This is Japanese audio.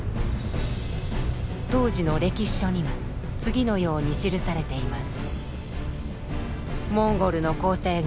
当時の歴史書には次のように記されています。